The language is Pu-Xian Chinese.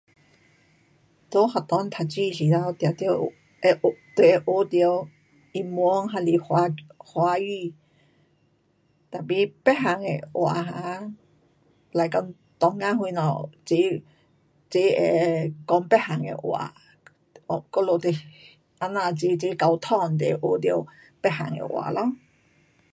这学堂读书时头当然有，就会学到英文还是华，华语。tapi 别样的话 um like 讲同学什么齐，齐会讲别样的话。我们就这样齐齐沟通就会学到别样的话咯。